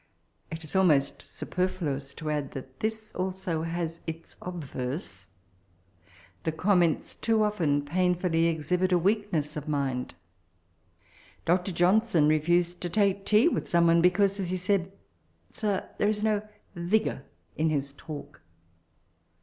It is almost superfluous to add, that this also has its obverse; the comments too often painfully exhibit a general weakness of mind. Dr. Johnson re fused to take tea with some one because, as be said, " Sir, there is no vigour in his talk."